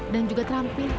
dan juga terampil